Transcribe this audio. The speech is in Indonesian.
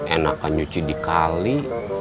enak kan nyuci dikali